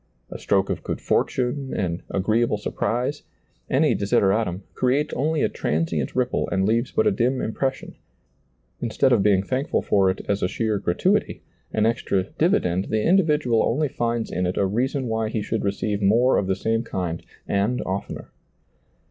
A stroke of good fortune, an <^reeable surprise, any desideratum, creates only a transient ripple and leaves but a dim impression; instead of being thankful for it as a sheer gratuity, an extra divi dend, the individual only finds in it a reason why he should receive more of the same kind and oftener.